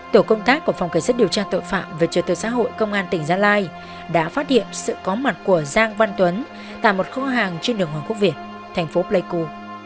tổ công tác của phòng cảnh sát điều tra tội phạm về trật tự xã hội công an tỉnh gia lai đã phát hiện sự có mặt của giang văn tuấn tại một kho hàng trên đường hoàng quốc việt thành phố pleiku